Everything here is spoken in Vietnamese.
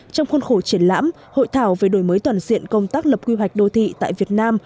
trong khuôn khổ triển lãm hội thảo về đổi mới toàn diện công tác lập quy hoạch đô thị tại việt nam